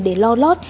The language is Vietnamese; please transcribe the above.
để lo lót